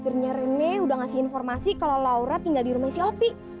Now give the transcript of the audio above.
akhirnya renne udah ngasih informasi kalo laura tinggal di rumah si opi